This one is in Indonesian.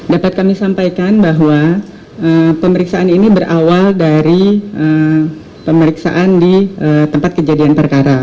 dapat kami sampaikan bahwa pemeriksaan ini berawal dari pemeriksaan di tempat kejadian perkara